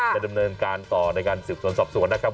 ดำเนินการต่อในการสืบสวนสอบสวนนะครับ